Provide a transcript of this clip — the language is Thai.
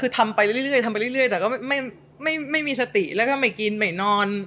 ทำไปเรื่อยแต่ก็ไม่มีสติแล้วก็ไม่กินไม่นอน